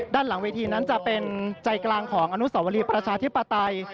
ด้านหลังเวทีนั้นจะเป็นใจกลางของอนุสวรีประชาธิปไตย